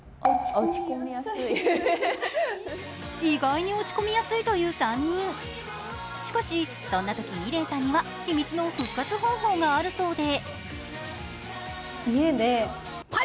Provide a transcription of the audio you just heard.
意外に落ち込みやすいという３人しかし、そんなとき美玲さんには秘密の復活方法があるそうで。